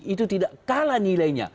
itu tidak kalah nilainya